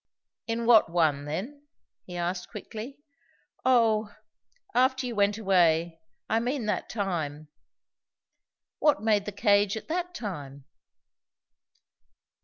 "In what one then?" he asked quickly. "Oh after you went away. I mean that time." "What made the cage at that time?"